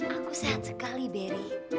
aku sehat sekali beri